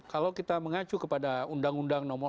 kalau kita mengacu kepada undang undang nomor